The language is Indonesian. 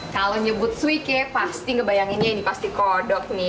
kalau nyebut suike pasti ngebayanginnya ini pasti kodok nih